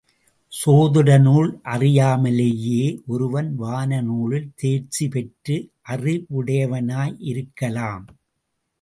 சோதிடநூல் அறியாமலேயே ஒருவன் வானநூலில் தேர்ச்சி பெற்ற அறிவுடையவனாயிருக்கலாம்.